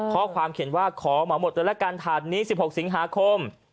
ข้อความเขียนว่าขอเหมาหมดเลยละกันถาดนี้๑๖สิงหาคม